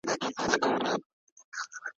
د انتقال لارې څه وې؟